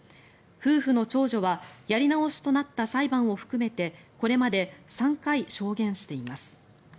夫婦の長女はやり直しとなった裁判を含めてこれまで３回証言しています。